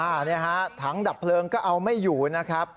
อันนี้ฮะถังดับเพลิงก็เอาไม่อยู่นะครับ